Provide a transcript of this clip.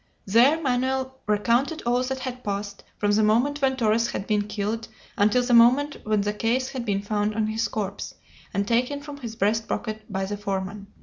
There Manoel recounted all that had passed, from the moment when Torres had been killed until the moment when the case had been found on his corpse, and taken from his breast pocket by the foreman.